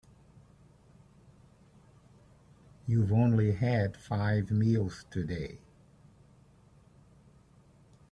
You've only had five meals today.